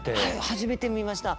初めて見ました。